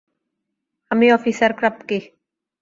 আমি, officer Krupke?